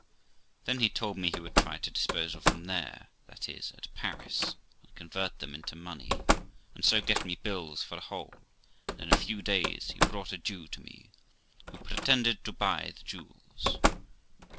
Then he told me he would try to dispose of them there, that is at Paris, and convert them into money, and so get me bills for the whole; and in a few days he brought a Jew to me, who pretended to buy the jewels.